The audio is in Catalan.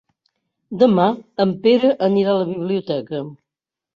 Demà en Pere anirà a la biblioteca.